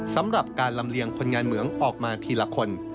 สำหรับการลำเลียงคนงานเหมืองออกมาทีละคน